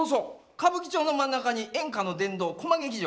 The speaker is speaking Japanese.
歌舞伎町の真ん中に演歌の殿堂コマ劇場。